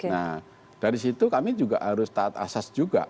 nah dari situ kami juga harus taat asas juga